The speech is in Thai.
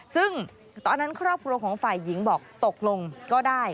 ซึ่งตอนนั้นครอบครัวของฝ่ายหญิงบอกตกลงก็ได้